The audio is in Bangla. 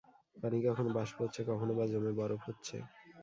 পানি কখনো বাষ্প হচ্ছে, কখনো বা জমে বরফ হচ্ছে।